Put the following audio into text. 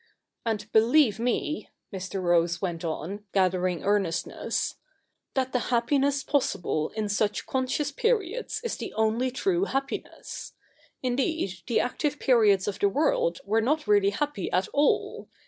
And, believe me,' Mr. Rose went on, gathering earnest ness ' that the happiness possible in such conscious periods is the only true happiness. Indeed, the active periods of the world were not really happy at all.